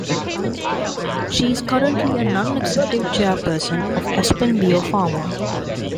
She is currently a non-executive chairperson of AspenBio Pharma.